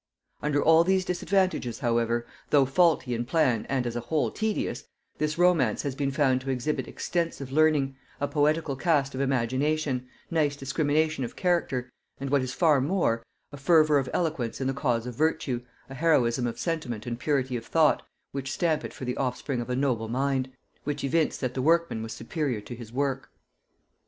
Under all these disadvantages, however, though faulty in plan and as a whole tedious, this romance has been found to exhibit extensive learning, a poetical cast of imagination, nice discrimination of character, and, what is far more, a fervor of eloquence in the cause of virtue, a heroism of sentiment and purity of thought, which stamp it for the offspring of a noble mind, which evince that the workman was superior to his work.